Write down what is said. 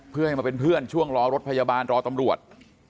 เพื่อให้มาเป็นเพื่อนช่วงรอรถพยาบาลรอตำรวจ